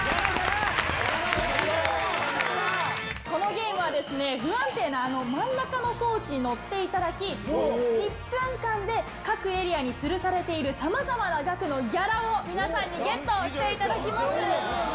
このゲームはですね、不安定な真ん中の装置に乗っていただき、１分間で各エリアにつるされている、さまざまな額のギャラを、皆さんにゲットしていただ